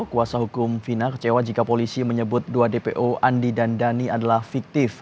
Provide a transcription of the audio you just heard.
kuasa hukum fina kecewa jika polisi menyebut dua dpo andi dan dhani adalah fiktif